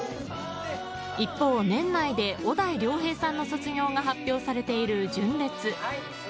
一方、年内で小田井涼平さんの卒業が発表されている純烈。